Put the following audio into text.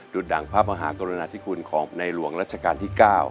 ดูดดั่งภาพมหากรณาธิกุลของในหลวงรัฐกาลที่๙